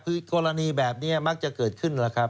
คือกรณีแบบนี้มักจะเกิดขึ้นแล้วครับ